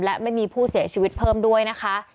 และไม่มีผู้เสียชีวิตเพิ่มด้วยนะคะ